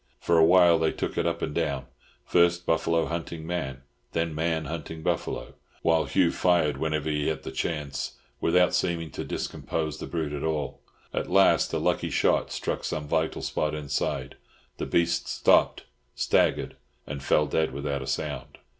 For a while they took it up and down—first buffalo hunting man, then man hunting buffalo—while Hugh fired whenever he had the chance, without seeming to discompose the brute at all. At last a lucky shot struck some vital spot inside; the beast stopped, staggered, and fell dead without a sound.